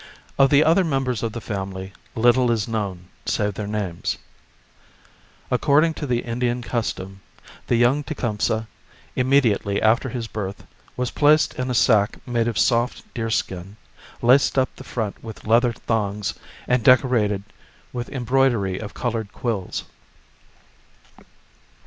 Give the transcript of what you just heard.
Of the other mem bers of the family little is known save their names. According to the Indian custom, the young Tecumseh, immediately after his birth, was placed in a sack made of soft deerskin, laced up the front with leather thongs and decorated with embroidery of coloured quills.